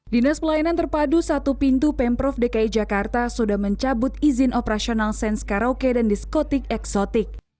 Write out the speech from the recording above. dinas pelayanan terpadu satu pintu pemprov dki jakarta sudah mencabut izin operasional sains karaoke dan diskotik eksotik